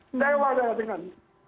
saya kecewa sekali dengan